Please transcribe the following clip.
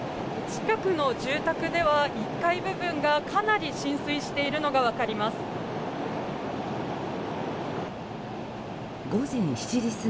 近くの住宅では１階部分がかなり浸水しているのが分かります。